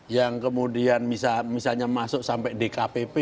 yang kemudian misalnya masuk sampai dkpp